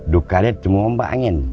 drukanya cuma membangun angin